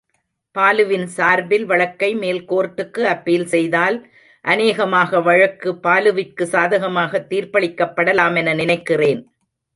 பாலுவின் சார்பில் வழக்கை மேல்கோர்ட்க்கு அப்பீல் செய்தால் அநேகமாக வழக்கு பாலுவுக்குச் சாதகமாகத் தீர்ப்பளிக்கப் படலாமென நினைக்கிறேன்.